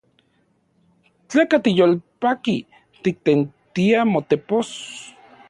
¿Tleka tiyolpaki tiktentia motepos?